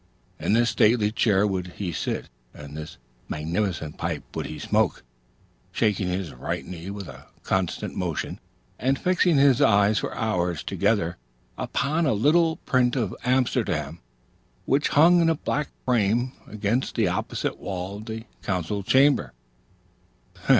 In this stately chair would he sit, and this magnificent pipe would he smoke, shaking his right knee with a constant motion, and fixing his eye for hours together upon a little print of Amsterdam, which hung in a black frame against the opposite wall of the council chamber.